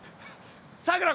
さくら